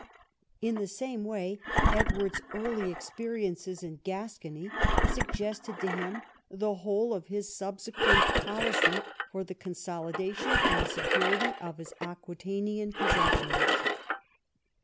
In the same way Edward's early experiences in Gascony sug gested to him the whole of his subsequent policy for the consolidation and security of his Aquitainian possessions.